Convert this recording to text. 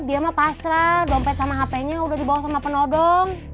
dia mah pasrah dompet sama hp nya udah dibawa sama penodong